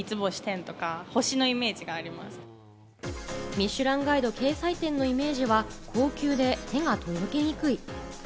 『ミシュランガイド』掲載店のイメージは高級で手が届きにくい。